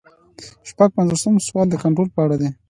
شپږ پنځوسم سوال د کنټرول په اړه دی.